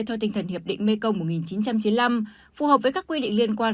theo tinh thần hiệp định mekong một nghìn chín trăm chín mươi năm phù hợp với các quy định liên quan